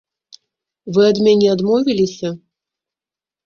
Вы ад мяне адмовіліся?